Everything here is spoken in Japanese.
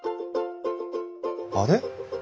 あれ？